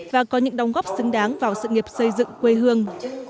và có những đóng góp xứng đáng vào sự nghiệp xây dựng quê hương